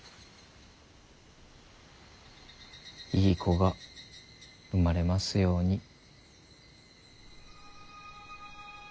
いい子が生まれますように。